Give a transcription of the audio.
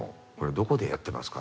どこでやってますか？